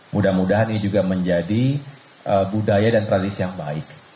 mudah mudahan ini juga menjadi budaya dan tradisi yang baik